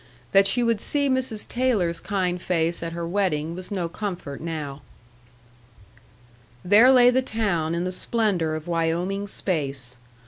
That she would see Mrs. Taylor's kind face at her wedding was no comfort now. There lay the town in the splendor of Wyoming space.